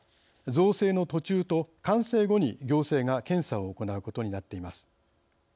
造成の途中と完成後に行政が検査を行うことになっています。